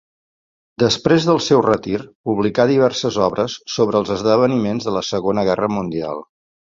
Després del seu retir, publicà diverses obres sobre els esdeveniments de la Segona Guerra Mundial.